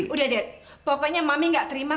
udah deh pokoknya mami gak terima